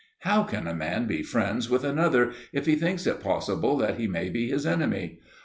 How can a man be friends with another, if he thinks it possible that he may be his enemy?